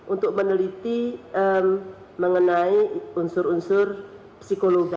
untuk meneliti mengenai unsur unsur psikologi